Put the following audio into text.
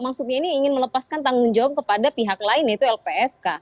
maksudnya ini ingin melepaskan tanggung jawab kepada pihak lain yaitu lpsk